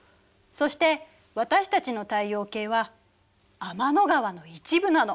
そして私たちの太陽系は天の川の一部なの。